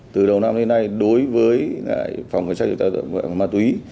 từ đầu năm đến nay đối với phòng chế phép ma túy